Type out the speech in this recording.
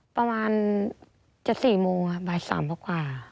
ประมาณจะ๔โมงบาท๓เพราะกว่า